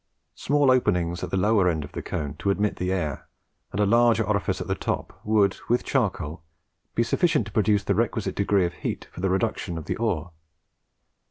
Small openings at the lower end of the cone to admit the air, and a larger orifice at the top, would, with charcoal, be sufficient to produce the requisite degree of heat for the reduction of the ore.